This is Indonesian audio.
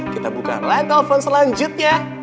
kita buka line telepon selanjutnya